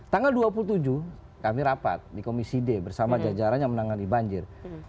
tanggal dua puluh tujuh kami rapat di komisi d bersama jajarannya menangani banjir